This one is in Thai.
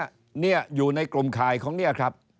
อยู่ในกลุ่มคายของนี่ครับ